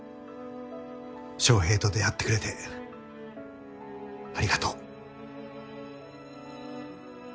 翔平と出会ってくれてありがとう。